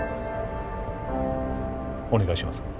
お願いします